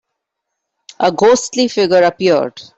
A ghostly figure appeared.